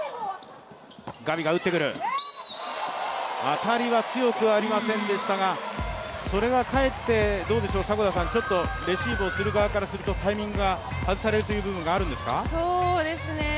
当たりは強くありませんでしたがそれがかえってちょっとレシーブをする側からするとタイミングを外されることがあるんですか？